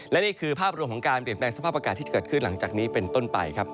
และนี่คือภาพรวมของการเปลี่ยนแปลงสภาพอากาศที่จะเกิดขึ้นหลังจากนี้เป็นต้นไปครับ